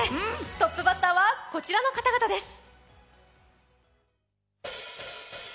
トップバッターはこちらの方々です。